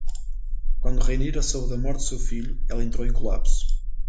Quando Rhaenyra soube da morte de seu filho, ela entrou em colapso.